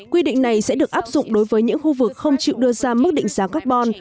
quy định này sẽ được áp dụng đối với những khu vực không chịu đưa ra mức định giá carbon